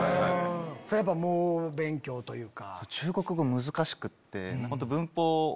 やっぱ猛勉強というか。